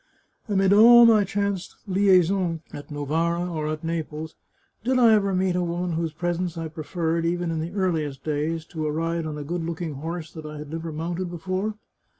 Amid all my chance liaisons, at Novara or at Naples, did I ever meet a woman whose presence I preferred, even in the earliest days, to a ride on a good looking horse that I had never mounted be fore